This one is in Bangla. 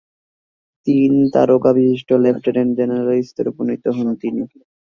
তিন তারকা বিশিষ্ট লেফটেন্যান্ট জেনারেল স্তরে উপনীত হন তিনি।